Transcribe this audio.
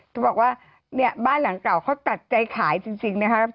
จะบอกว่าบ้านหลังเก่าเขาตัดใจขายจริงนะคะ